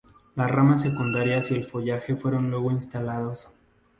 Las ramas secundarias y el follaje fueron luego instalados.